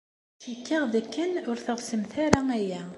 Cikkeɣ dakken ur teɣsemt ara aya.